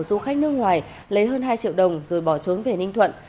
một số khách nước ngoài lấy hơn hai triệu đồng rồi bỏ trốn về ninh thuận